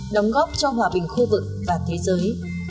đóng góp cho hòa bình khu vực và thế giới